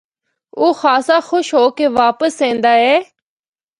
او خاصا خوش ہو کے واپس ایندا اے۔